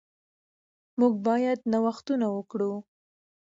موږ باید نوښتونه وکړو.